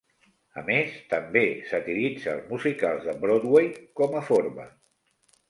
A més, també satiritza els musicals de Broadway com a forma.